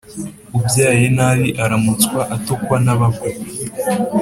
Ubyaye nabi aramutswa (atukwa) n’abakwe.